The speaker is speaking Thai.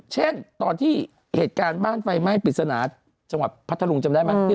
เช่นตอนที่เหตุการณ์บ้านไฟไหม้ปริศนาจังหวัดพัทธรุงจำได้ไหม